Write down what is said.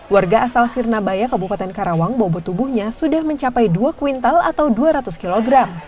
warga asal sirnabaya kabupaten karawang bobot tubuhnya sudah mencapai dua kuintal atau dua ratus kg